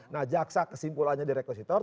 nah jaksa kesimpulannya di rekositor